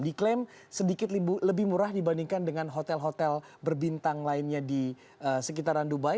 diklaim sedikit lebih murah dibandingkan dengan hotel hotel berbintang lainnya di sekitaran dubai